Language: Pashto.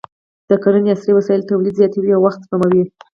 د کرنې عصري وسایل تولید زیاتوي او وخت سپموي.